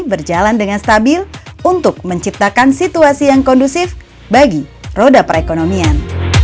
berjalan dengan stabil untuk menciptakan situasi yang kondusif bagi roda perekonomian